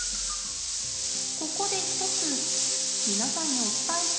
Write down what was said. ここで一つ皆さんにお伝えしたいことがあります。